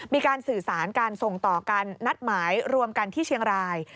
มีการสื่อสารการส่งต่อการนัดหมายรวมกันที่เชียงราย